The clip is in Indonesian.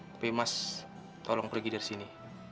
tapi mas tolong pergi dari sini